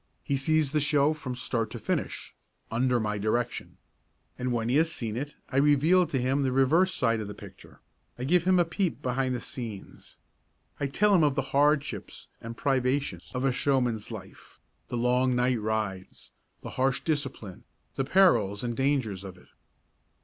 He sees the show from start to finish under my direction. And when he has seen it I reveal to him the reverse side of the picture I give him a peep behind the scenes. I tell him of the hardships and privations of a showman's life, the long night rides, the harsh discipline, the perils and dangers of it.